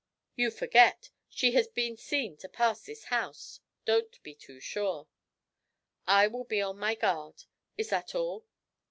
'You forget; she has been seen to pass this house. Don't be too sure.' 'I will be on my guard. Is that all?'